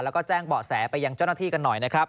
แล้วก็แจ้งเบาะแสไปยังเจ้าหน้าที่กันหน่อยนะครับ